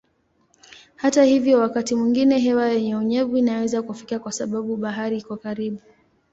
Hata hivyo wakati mwingine hewa yenye unyevu inaweza kufika kwa sababu bahari iko karibu.